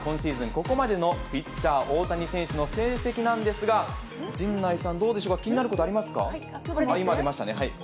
ここまでのピッチャー、大谷選手の成績なんですが、陣内さん、どうでしょうか、気になることありますか？